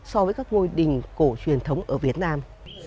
so với các ngôi đình cổ truyền thống ở việt nam